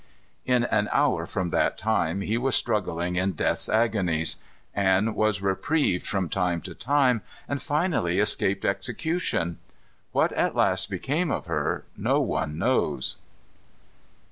In an hour from that time he was struggling in death's agonies. Anne was reprieved from time to time, and finally escaped execution. What at last became of her no one knows.